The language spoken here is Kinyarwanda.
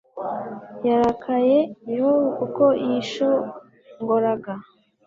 yarakariye yobu, kuko yishongoraga